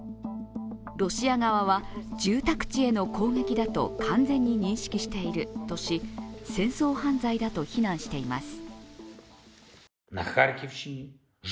ロシア側は住宅地への攻撃だと完全に認識しているとし戦争犯罪だと非難しています。